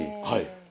はい。